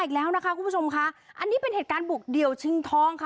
อีกแล้วนะคะคุณผู้ชมค่ะอันนี้เป็นเหตุการณ์บุกเดี่ยวชิงทองค่ะ